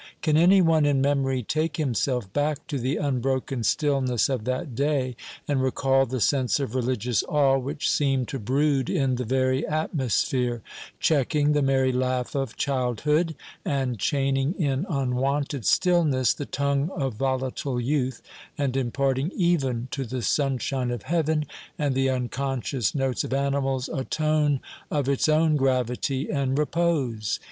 Can any one, in memory, take himself back to the unbroken stillness of that day, and recall the sense of religious awe which seemed to brood in the very atmosphere, checking the merry laugh of childhood, and chaining in unwonted stillness the tongue of volatile youth, and imparting even to the sunshine of heaven, and the unconscious notes of animals, a tone of its own gravity and repose?